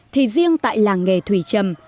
thì riêng tại làng nghề thủy trầm